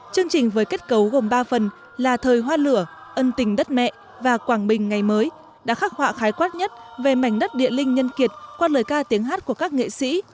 chương trình với kết cấu gồm ba phần là thời hoa lửa ân tình đất mẹ và quảng bình ngày mới đã khắc họa khái quát nhất về mảnh đất địa linh nhân kiệt qua lời ca tiếng hát của các nghệ sĩ